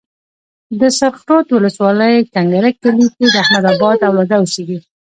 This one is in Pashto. د سرخ رود ولسوالۍ کنکرک کلي کې د احمدآبا اولاده اوسيږي.